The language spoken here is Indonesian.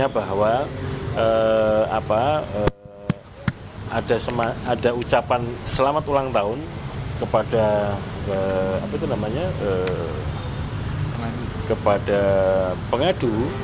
bahwa ada ucapan selamat ulang tahun kepada pengadu